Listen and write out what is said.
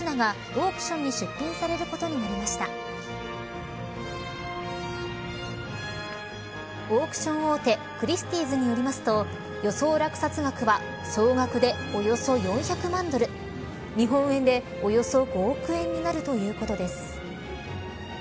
オークション大手クリスティーズによりますと予想落札額は総額でおよそ４００万ドル日本円でおよそ５億円になるということです。